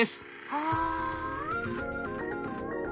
はあ。